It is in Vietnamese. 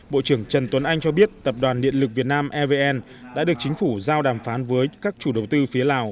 bộ trưởng trần tuấn anh cho biết tập đoàn điện lực việt nam evn đã được chính phủ giao đàm phán với các chủ đầu tư phía lào